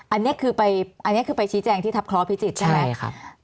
อันนี้คือไปชี้แจงที่ทับคล้อพิจิตรใช่ไหม